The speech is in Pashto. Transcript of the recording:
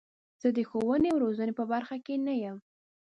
زه د ښوونې او روزنې په برخه کې نه یم.